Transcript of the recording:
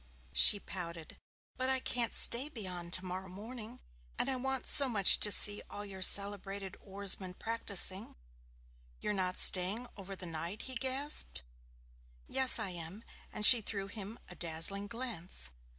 She pouted. 'But I can't stay beyond tomorrow morning, and I want so much to see all your celebrated oarsmen practising.' 'You are not staying over the night?' he gasped. 'Yes, I am,' and she threw him a dazzling glance.